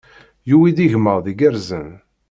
Yuwi-d igmaḍ igerrzen.